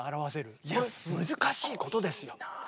これ難しいことですよ。